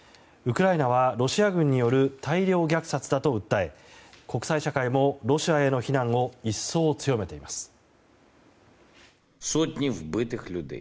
ウクライナは、ロシア軍による大量虐殺だと訴え国際社会もロシアへの非難を一層強めています。